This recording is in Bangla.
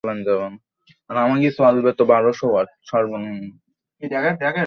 আগের দিন যেখানে শেষ করেছিলেন কাল যেন শুরুটা করলেন সেখান থেকেই।